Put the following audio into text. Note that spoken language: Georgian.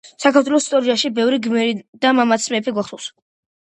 საქართველოს ისტორიაში ბევრი გმირი და მამაცი მეფე გვახსოვს.